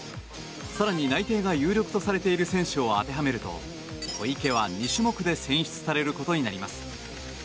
更に有力とされている選手を当てはめると、小池は２種目で選出されることになります。